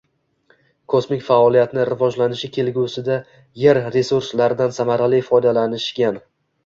Kosmik faoliyatni rivojlanishi kelgusida yer resurslaridan samarali foydalanishgan